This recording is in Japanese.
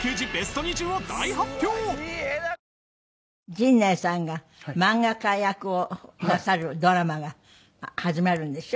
陣内さんが漫画家役をなさるドラマが始まるんでしょ？